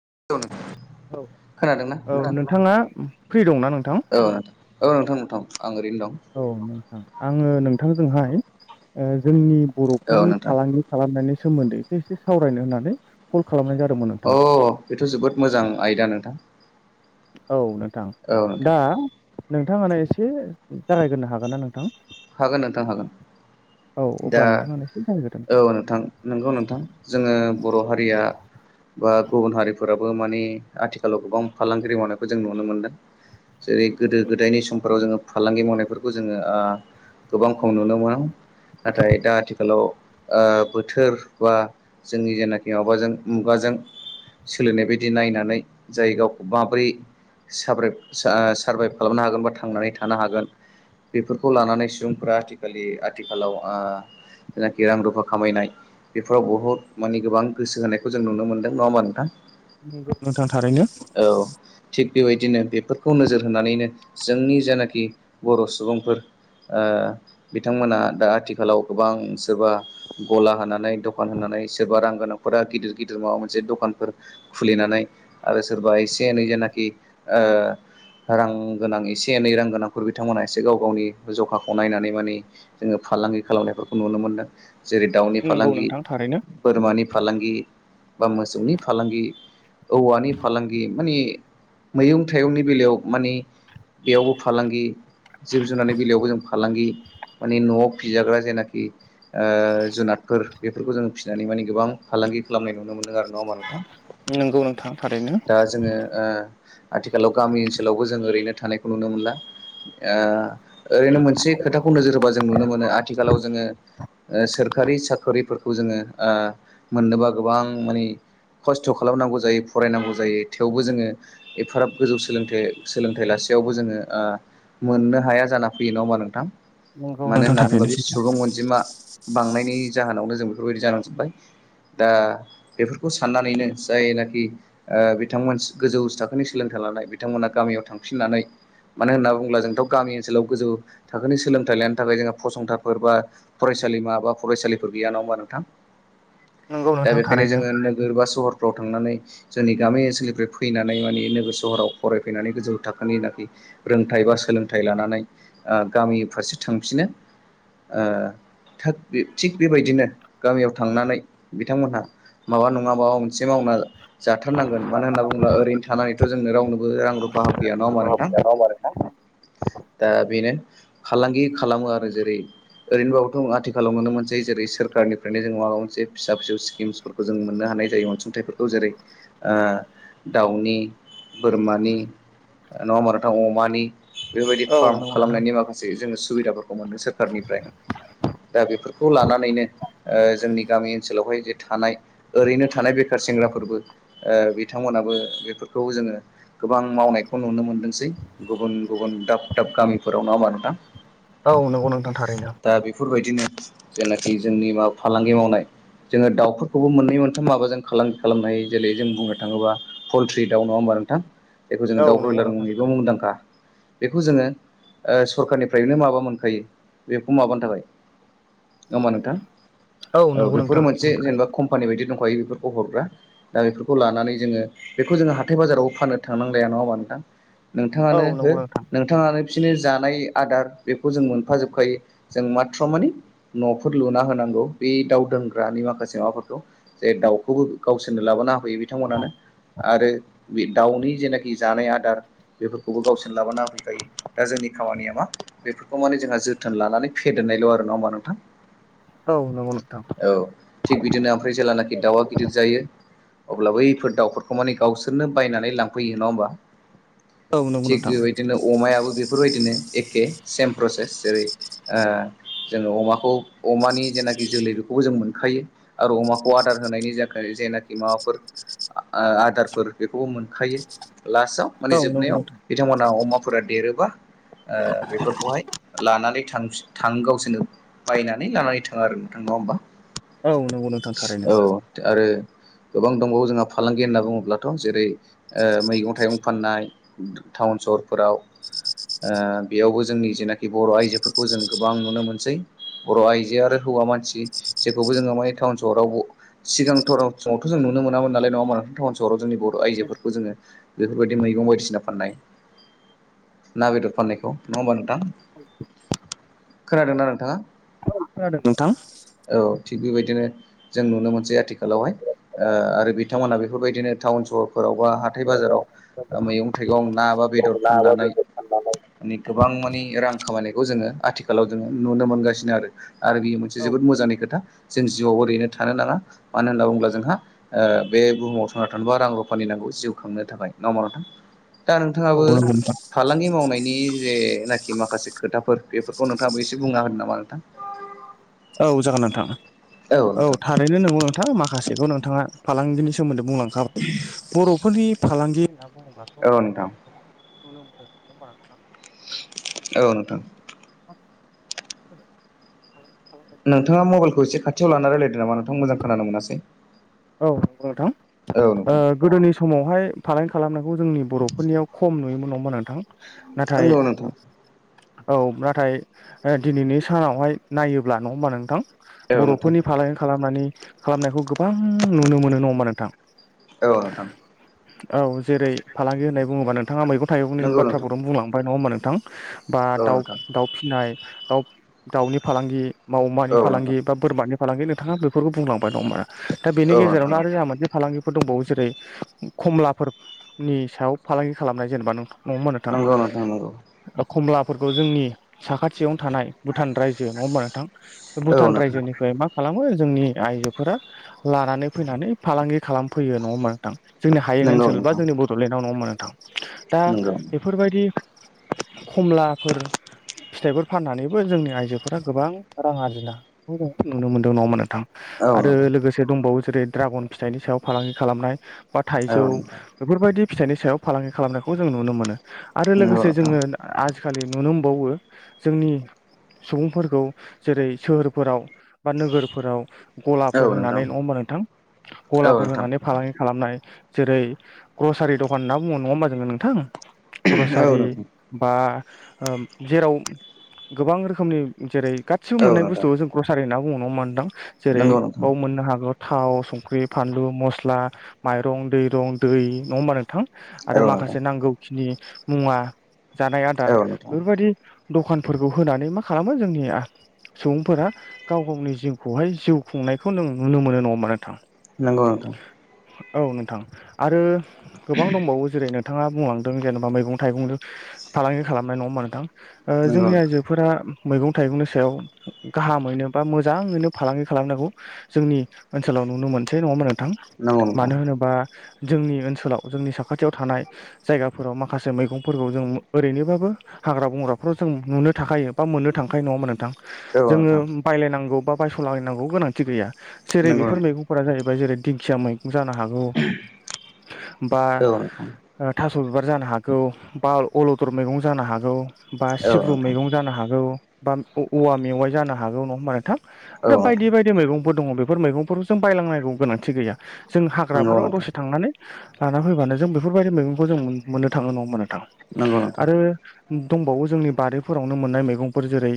[unintelligible] औ। खोनादोंना औ, नोंथां नोंथाङा फ्रि दंना नोंथां? औ नोंथां औ नोंथां नोंथां आं ओरैनो दं औ नोंथां, आङो नोंथांजोंहाय ओ जोंनि औ बर'फोरनि नोंथां फालांगि खालामनायनि सोमोन्दै एसे एसे सावरायनो होननानै कल खालामनाय जादोंमोन नोंथां अ बेथ जोबोद मोजां आयदा नोंथां। औ नोंथां, औ नोंथां दा नोंथांङानो एसे जागायग्रोनो हागोन ना नोंथां? हागोन नोंथां हागोन। औ दा अब्ला नोंथाङा एसे जा औ नोंथां नंगौ नोंथां जोंङो बर' हारिया बा गुबुन हारिफोराबो माने आथिखालाव गोबां फालांगगिरि मावनायखौ जों नुनो मोनदों। जेरै गोदो गोदायनि समफोराव जोङो फालांगि मावनायफोरखौ जोङो ओ गोबां खम नुनो मोनोमोन। नाथाय दा आथिखालाव ओ बोथोर बा जोंनि जेनाखि माबाजों मुगाजों सोलिनाय बायदि नायनानै जाय गावखौ माबोरै साब्रोब सा सारभाइभ खालामनो हागोन बा थांनानै थानो हागोन बेफोरखौ लानानै फ्रा आथिखालि आथिखालाव ओ जायनाखि रां रुफा खामायनाय बेफोराव बुहुद माने गोबां गोसो होनायखौ जों नुनो मोनदों नङा होमबा नोंथां? नंगौ नोंथां थारैनो। औ थिग बेबायदिनो बेफोरखौ नोजोर होनानैनो जोंनि जानाखि बर' सुबुंफोर ओ बिथांमोना दा आथिखालाव गोबां सोरबा गला होननानै दखान होनानै सोरबा रां गोनांफोरा गिदिर गिदिर माबा मोनसे दखानफोर खुलिनानै आरो सोरबा एसे एनै जेन नाखि ओ रां गोनां एसे एनै रां गोनांफोर बिथांमोनहा एसे गाव गावनि जखाखौ नायनानै माने जोंङो फालांगि खालामनायफोरखौ नुनो मोनदों। जेरै दाउनि नंगौ फालांगि, नोंथां थारैनो बोरमानि फालांगि बा मोसौनि फालांगि, औवानि फालांगि मानि मैगं थाइंनि बेलायाव मानि बेयावबो फालांगि जिब जुनारनि बेलायाव बो फालांगि मानि न'आव फिजाग्रा जेनाखि ओ जुनादफोर बेफोरखौ जों फिनानै माने गोबां फालां गि खालामनाय नुनो मोनदों आरो नङा होमबा नोंथां? नंगौ नोंथां थारैनो दा जोंङो ओ आथिखालाव गामि ओनसोलावबो जों ओरैनो थानायखौ नुनो मोनला ओ ओरैनो मोनसे खोथाखौ नोजोर होबा जों नुनो मोनो आथिखालाव जोङो ओ सोरखारि साख्रिफोरखौ जोंङो ओ मोननोबा गोबां मानि खस्थ खालामनांगौ जायो फरायनांगौ जायो थेवबो जोंङो एफाराब गोजौ सोलोंथाइ सोलोंथाइ लास सेयावबो ओ जोंङो मोननो हाया जाना फैयो नंङा होमबा नोंथां? नंगौ मानो नोंथां होनना बुंङोब्ला थारैनो नंगौ नोंथां थारैनो बे सैथो सुबुं अनजिमा बांनायनि जाहोनानो जों बेफोरबादि जालांजोबबाय। दा बेफोरखौ साननानैनो जायनाखि ओ बिथांमोन गोजौ सोलोंथाइ लानाय बिथांमोना गामियाव थांफनानै मानो होननानै बुंब्ला जों गामि ओनोलाव गोजौ थाखोनि सोलोंथाइ लानो थाखाय जोंहा फसंथानफोर बा फरायसालिमा बा फरायसालिफोर गैया नङा होनबा नों थां? नंगौ दा नोंथां बेखायनो थारैनो जोङो नोगोर बा सहरफ्राव थांनानै जोंनि गामि ओनसोलनिफ्राय फैनानै माने नोगोर सहराव फरायफैनानै गोजौ थाखोनि नाखि रोंथाय एबा सोलोंथाइ लानानै ओ गामि फारसे थांफिनो। ओ थोथ थिग बेबायदिनो गामियाव थांनानै बिथांमोनहा माबा नंङा माबा मोनसे मावना जाथारनांगोन, मानो होनना बुंब्ला ओरैनो थानानैथ' जों रावनोबो रां रु फा होफैया न'ङा ओमबा नों [unintelligible] दा बेनो फालांगि खालामो आरो जेरै ओरैनोबोथ' आथिखालाव नुनोमोनसैे जेरै सोरखारनिफ्रायनो जोंङो माबा मोनसे फिसा-फिसौ स्किमसफोरखौ जों मोननो हा होनाय जायो अनसुंथाइफोरखौ जेरै ओ दाउनि बोरमानि नंङा ओमबा नोंथां अमानि बेफोरबायदि औ फार्म नंगौ नोंथां खालामनायनि माखासे जों सुबिदाफोरखौ मोनो सोरखारनिफ्राय दा बेफोरखौ लानानैनो ओ जोंनि गामि ओनसोलावहाय जे थानाय ओरैनो थानाय बेखार सेंग्राफोरबो ओ बिथांमोनाबो बेफोरखौ जोंङो गोबां मावनायखौ नुनो मोनदोंसै, गुबुन गुबुन दाब दाब गामिफोराव नङाहोम्बा नोंथां। औ नंगौ नोंथां थारैनो। दा बेफोरबायदिनो जेनाखि जोंनि माब फालांगि मावनाय जोंङो दावफोरखौबो मोननै मोनथाम माबाजों फखलांगि खालामनो हायो जेरै जों बुंनो थांङोब्ला फलथ्रि दाव नंङा होमबा। नोंथां बेखौ जों औ दाउ नंगौ ब्रयलार नोंथां मुंयैबो थारैनो मुंदांखा बे जोंङो ओ सरखारनिफ्रायनो माबा मोनखायो बेखौ माबानो थाखाय, नंङा ओमबा नोंथां औ नंगौ बेफोर नोंथां मोनसे मोनखायो जेनबा कमफानि बायदि दंखायो बिफोरखौ हरग्रा। दा बेफोरखौ लानानै जोंङो बेखौ जोंङो हाथाय बाजाराव फानोनो थांनांलाया नंङा होनबा नोंथां? औ नोंथाङानो हो नंगौ नोंथां नोंथाङानो बिसिनि जानाय आदार बेखौ जों मोनफा जोबखायो जों मात्र माने न'फोर लुना होनांगौ। बे दाउ दोनग्रानि माखासे माबाफोरखौ जे दाउखौबो गावसोरनो लाबोना बे बिथांमोन आरो दाउनि जेनाखि जानाय आदार बेफोरखौबो गाव लाबा फैखायो दा जोंनि खामानिया मा बेफोरखौ माने जोंहा जोथोन लानानै फेदेरनायल' आरो नङा होमा नोंथां। औ नंगौ नोंथां औ थिग बिदिनो ओमफ्राय जेेलानाखि दाउआ गिदिर जा अब्लाबो बैफोर दाउफोरखौ माने गावसोरनो बायनानै लांफैयो नङा होमबा। औ नंगौ थिग नोंथां बेबायदिनो अमायाबो बेफोरबायदिनो। एखे सेम प्रसेस जेरै ओ जोङो अमाखौ अमानि जेनाखि जोलै बेखौ जों मोनखायो आरो अमाखौ आदार होनायनि थाखाय जेनाखि माबाफोर ओ आदारफोर बेखौबो मोनखायो। लासाव माने औ नंगौ जोबनायाव नोंथां बिथांमोना अमाफोरा देरोबा ओ बेफोरखौहाय ला लानानै थां गावसोरनो बायनानै लानानै थाङो आरो नोंथां नङा होमबा। औ नंगौ नोंथां थारैनो औ आरो गोबां दंबावो जोंहा फालांगि होनना बुङोब्लाथ' जेरै मैगं थाइगं फाननाय। टाउन सहरफोराव। ओ बेयावबो जोंनि जेनाखि बर' आइजोफोरखौ जों गोबां नुनो मोनसै बर' आइजोआ आरो हौवा मानसि जेखौबो जोङो माने टाउन सहराव सिगां थरावथ समाव जों नुनो मोनामोन नालाय नङा होम्बा नों टाउन सहराव जोंनि बर' आइजोफोरखौ जोङो बेफोरबायदि मैगं बायदिसिना फाननाय। ना बेदर फाननायखौ नङा होमबा नोंथां। खोनादोंना नोंथाङा? खोनांदों नोंथां। औ थिग बेबायदिनो जों नुनो मोनसै आथिखालावहाय ओ आरो बिथांमोनहा बेफोरबायदिनो टाउन सहरफोर खोबा हाथाइ बाजाराव ओ मैगं थाइगं ना बा औ बेदर फाननानै माने गोबां मानि रां खामायनायखौ जोङो आथिखालाव जोङो नुनो मोनगासिनो आरो आरो बियो मोनसे जोबोद मोजांनि खोथा। जों जिउआवबो ओरैनो थानो नाङा मानो होनना बुङोब्ला जोंहा ओ बे बुहुमाव थांना थानोबा रां रुफानि नांगौ। जिउ खांनो थाखाय नङा होनबा नोथां दा नोंथाङाबो नंगौ नोंथां फालांगि मावनायनि जे खि माखासे खोथाफोर बेफोरखौ नोंथाङाबो एसे बुंना होनो नामा नोंथां। औ जागोन नोंथां औ थारैनो नोंगौ नोंथां माखासेखौ नोंथाङा फालांगिनि सोमोन्दो। बुंलांखाबाय बर'फोरनि फालांगि होनना बुङोब्लाथ' जों औ नोंथां गोबां नुनो मोनो नङा होनबा नोंथां। औ नोंथां। [inaudible] नोंथाङा मबाइलखौ एसे खाथियाव लाना रायलायदो नामा नोंथां मोजां खोनानो मोनासै औ नोंथां औ ओ नोंथां गोदोनि समावहाय फालांगि खालामनायखौ जोंनि बर'फोरनियाव खम नुयोमोन नोंथां नाथाय नोंगौ नोंथां औ नाथाय दिनैनि सानावहाय नायोब्ला नङा होमबा नोंथां औ नोंथां बर'फोरनि फालांगि खालामनानै खालामनायखौ गोबां नुनो मोनो नङा होनबा नोंथां औ नोंथां औ जेरै फालांगि होननानै बुङोबा नोंथ नोंथाङा मैगं थाइगंनि नंगौ नोंथां बाथ्राफोरखौनो बुंलांबाय नङा होमबा नोंथां बा औ दाउ नोंथां दाउ फिनाय दाउ दाउनि फालांगि मावमानि औ फालांगि नोंथां बा बोरमानि फालांगि नोंथाङा बेफोरखौ बुंलांबाय नङाहोम्बा दा बेनि औ नोंथां गेजेरावनो औ आरो जोंहा मोनसे फालांगिफोर दंबावो जेरै खमलाफोरनि सायाव फालांगि खालामनाय जेनेबा नोंथां नङा होमबा नोथां नंगौ नोंथां नंगौ खमला फोरखौ जोंनि साखाथियावनो थानाय भुटान रायजो नङा होनबा नोंथां। औ भुटान नोंथां रायजोनिफ्राय मा खालामो जोंनि आइजोफोरा लानानै फैनानै फालांगि खालामफैयो नङा होम्बा नोंथां जोंनि हायेन नंगौ ओनसोल बा नोंथां जोंनि बड'लेण्डआव नङाहोम्बा नोंथां दा नंगौ बेफोरबायदि कमलाफोर फिथाइफोर फाननानैबो जोंनि आइजोफोरा गोबां रां आरजिनाखौ जों नुनो मोनदों नङो होनबा नोंथां औ आरो नोंथां लोगोसे दंबावो जेरै ड्रागन फिथाइनि सायाव फालांगि खालामनाय। बा थाइजौ औ नोंथां बेफोरबायदि फिथाइनि सायाव फालांगि खालामनायखौ जों नुनो मोनो। आरो नंगौ लोगोसे नोंथां जोङो आजिखालि नुनो मोनबावो जोंनि सुबुंफोरखौ जेरै सोहोरफोराव बा नोगोरफोराव औ नोंथां औ नोंथां औ नोंथां औ नोंथां नंगौ गलाफोर होनानै नोंथां नङा होनबा नोंथां औ गलाफोर होनानै फालांगि खालामनाय जेरै ग्रसारि दखान होनना बुङो नङा होम्बा जोङो नोंथां ग्रसारि बा ओ जेराव गोबां रोखोमनि जेरै गाथसिबो मोननाय बुस्थु जों ग्रसारि होनना बुङो नङा होम्बा नोंथां जेरै नोंथां बाव मोननो हागो थाव संख्रि फानलु मस्ला माइरं दैरं दै नङा होमबा नोंथां। आरो माखासे नांगौखिनि मुवा जानाय आदार औ नोंथां नंगौ नोंथां बेफोरबायदि दखानफोरखौ होनानै मा खालामो जोंनिया सुबुंफोरा गाव गावनि जिउखौहाय जिउ खुंनायखौ नों नुनो मोनो नङा होनबा नोंथां नोंगौ नोंथां औ नोंथां आरो गोबां दंबावो जेरै नों नोंथाङा बुंलांदों जेनेबा मैगं थाइगंजों फालांगि खालामनाय नङा होनबा नोंथां। नोंथां ओ नंगौ जोंनि नोंथां आइजोफोरा मैगं थाइगंनि सायाव गाहामैनो बा मोजाङैनो फालांगि खालामनांगौ जोंनि ओनसोलाव नुनो मोनसै नङाहोमबा नोंथां मानो होनोबा जोंनि ओनसोलाव जोंनि साखाथियाव थानाय जायगाफोराव माखासे मैगंफोरखौ जों ओरैनोबाबो हाग्रा बंग्राफोराव जों नुनो थांखायो बा मोननो थांखायो नङा होनबा नोंथां औ नोंथां जोङो बायलायनांगौ बा बायस'लायनांगौ गोनांथि गैया जेरै नंगौ बेफोर नोंथां मैगंफोरा जाहै जेरै दिंखिया मैगं जानो हागौ बा औ नोंथां थास थास' बिबार जानो हागौ बा अलदर मैगं जानो हागौ। बा औ नोंथां सिब्रु मैगं जानो हागौ बा औवा मेवाइ जानो हागौ नङा होमबा नोंथां आरो औ बायदि बायदि मैगंफोर दङ बेफोर मैगंफोरखौ जों बायलांनांगौ गोनांथि गैया जों नोंथां नंगौ हाग्राफोराव नोंथां दसे थांनानै लाना फैबानो जों बेफोरबायदि मैगंखौ जों मोननो थाङो नङा होनबा नोंथां। नंगौ नोंथां आरो दंबावो जोंनि बारिफोरावनो मोननाय मैगंफोर जेरै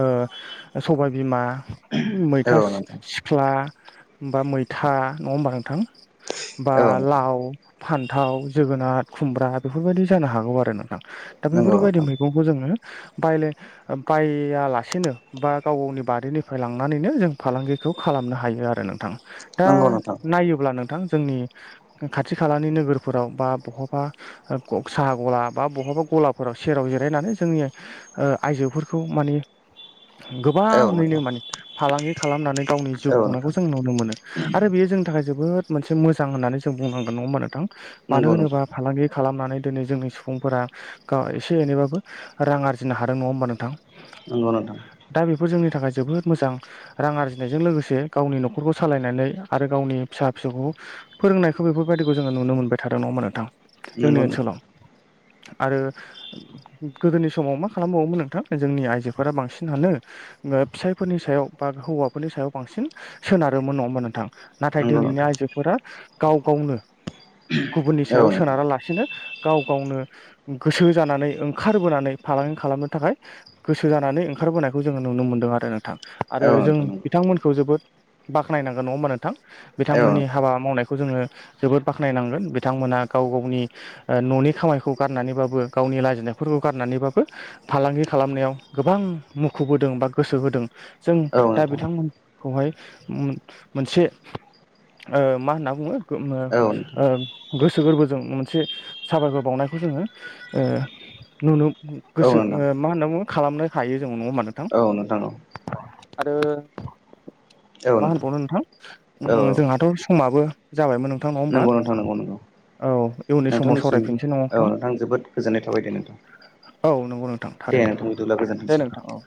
ओ सबाय बिमा औ मैथा नोंथां सिख्ला बा मैथा नङा होमबा नोंथां बा औ नोंथां लाव फान्थाव जोगोनार खुमब्रा बेफोरबायदि जानो हागौ आरो न दा दा नंगौ बेफोरबायदि नोंथां मैगंखौ जोङो बायले बायालासेनो बा गावनि बारिनिफ्राय लां थानानैनो जों फालांगिखौ खालामनो हायो आरो नोंथां दा नंगौ नोंथां नायोब्ला नोंथां जोंनि खाथि खालानि नोगोरफोराव बा बहाबा साहा गला बा बहाबा गलाफोराव सेराव जिरायनानै जोंनि आइजोफोरखौ मानि औ गोबाङैनो नोंथां माने फालांगि खालामनानै गावनि जिउ औ खुंनायखौ नोंथां जों नुनो मोनो आरो बेयो जोंनि थाखाय जोबोद मोनसे मोजां होननानै जों बुंनांगोन नङा होमबा नोंथां मानो नंगौ नोंथां होनोबा फालांगि खालामना नै दिनै जोंनि सुबुंफोरा गाव एसे एनैबाबो रां आरजिनो हादों नङा होमबा नोंथां नंगौ नोंथां दा बेफोर जोंनि थाखाय जोबोद मोजां रां आरजिनायजों लोगोसे गावनि न'खरखौ सालायनानै आरो गावनि फिसा फिसौखौ फोरोंनायखौ बेफोरबायदिखौ जोङो नुनो मोनबाय थादों नङा होमबा नोंथां जोंनि नंगौ नोंथां ओनसोलाव। आरो गोदोनि समाव मा खालामबावोमोन नोंथां जोंनि आइजोफोरा बांसिनानो ओ फिसायफोरनि सायाव बा हौवाफोरनि सायाव बांसिन सोनारोमोन नङा होमबा नोंथां नाथाय नंगौ दिनैनि नोंथां आइजोफोरा गाव गाव नो गुबुननि सायाव औ नोंथां सोनारा लासिनो गाव गावनो गोसो जानानै ओंखारबोनानै फालांगि खालामनो थाखाय गोसो जाना नै ओंखारबोनायखौ जोङो नुनो मोनदों आरो नोंथां। आरो औ जों नोंथां नंगौ बिथांमोनखौ जोबोद बाखोनायनांगोन नङा होमबा नोंथां औ बिथांमोननि नोंथां हाबा मावनायखौ जोङो जोबोद बाखोनायनांगोन बिथांमोना गाव गावनि ओ न'नि खामानिखौ गारनानैबाबो गावनि लाजिनाय फोरखौ गारनानैबाबो फालांगि खालामनायाव गोबां मुखुब होदों बा गोसो होदों। जों औ दा नोंथां बिथांमोनखौहाय मोन-मोनसे ओ मा होनना बुङो औ ओ गोसो गोरबोजों मोनसे साबायखर बावनायखौ जोङो ओ नुनो नोंथां औ नोंथां औ गोसो नोंथां मा होनना बुङो खालामनो हायो जों नङा होमबा नोंथां। नोंथां औ आरो मा होनबावनो नोंथां औ ओम जोंहाथ' समाबो जाबायमोन नों नंगौ नोंथां नंगौ नंगौ। औ। इयुननि समाव नोंथांनिसिम सावरायफिनसै नङा औ नोंथां जोबोद गोजोननाय थाबाय दे नोंथां। औ नंगौ नोंथां दे नोंथां थारैनो बिदिब्ला दे गोजोनथोंसै नोंथां औ।